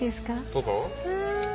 どうぞ。